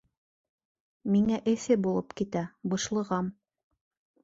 Миңә эҫе булып китә, бышлығам.